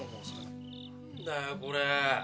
何だよこれ？